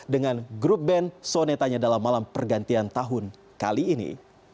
dengan grup band sonetanya dalam malam pergantian tahun kali ini